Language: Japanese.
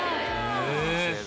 え！